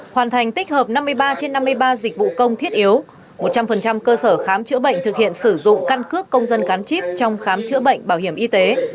hoàn thành tích hợp năm mươi ba trên năm mươi ba dịch vụ công thiết yếu một trăm linh cơ sở khám chữa bệnh thực hiện sử dụng căn cước công dân cán chip trong khám chữa bệnh bảo hiểm y tế